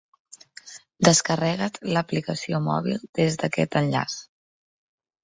Descarrega't l'aplicació mòbil des d'aquest enllaç.